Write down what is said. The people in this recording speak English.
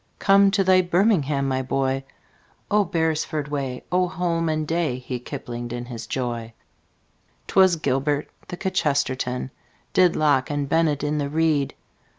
Come to thy birmingham, my boy! Oh, beresford way! Oh, holman day!" He kiplinged in his joy. 'Twas gilbert. The kchesterton Did locke and bennett in the reed.